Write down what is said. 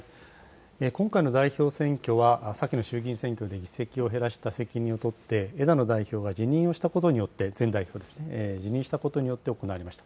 今回の代表選挙は、先の衆議院選挙で議席を減らした責任を取って、枝野代表が辞任をしたことによって、前代表ですね、辞任したことによって行われました。